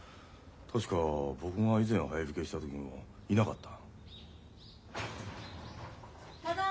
確か僕が以前早引けした時もいなかった。